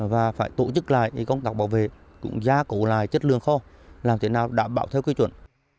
và phải tổ chức lại công tác bảo vệ cũng gia cố lại chất lượng kho làm thế nào đảm bảo theo quy chuẩn